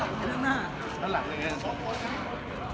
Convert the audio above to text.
อันที่สุดท้ายก็คือภาษาอันที่สุดท้าย